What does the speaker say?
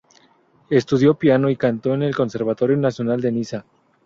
Estudió piano y canto en el Conservatorio Nacional de Niza.